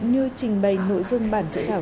như trình bày nội dung bản dự thảo